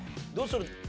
どうする？